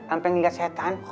sampai ngeliat setan